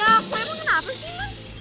emang kenapa sih roman